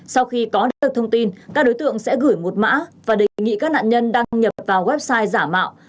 sau khi có được thông tin các đối tượng sẽ gửi một mã và đề nghị các nạn nhân đăng nhập vào website giả mạo